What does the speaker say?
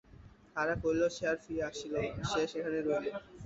তাহারা কহিল, সে আর ফিরিয়া আসিল না, সে সেইখানেই রহিল।